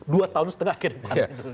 dua tahun setengah kedepan gitu